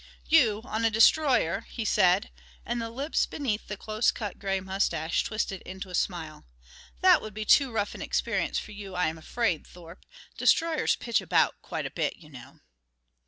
"You on a destroyer!" he said, and the lips beneath the close cut gray mustache twisted into a smile. "That would be too rough an experience for you, I am afraid, Thorpe. Destroyers pitch about quite a bit, you know."